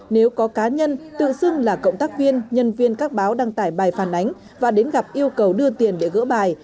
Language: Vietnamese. nếu có cá nhân tự xưng là cộng tác viên nhân viên các báo đăng tải bài phản ánh và đến gặp yêu cầu đưa tiền để gỡ bài